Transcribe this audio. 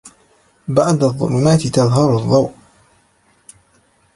بعد الظلمات تظهر الضوء.